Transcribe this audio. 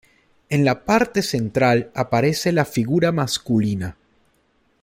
En la parte central aparece la figura masculina.